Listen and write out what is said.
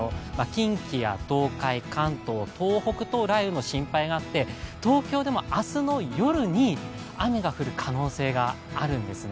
近畿や東海、関東、東北と雷雨の心配があって、東京でも明日の夜に雨が降る可能性があるんですね。